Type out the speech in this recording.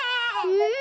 うん？